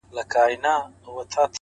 o دلته مستي ورانوي دلته خاموشي ورانوي،